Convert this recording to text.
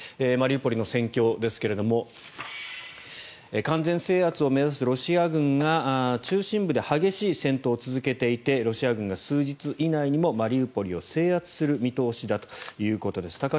マリウポリの戦況ですが完全制圧を目指すロシア軍が中心部で激しい戦闘を続けていてロシア軍が数日以内にもマリウポリを制圧する見通しだということです。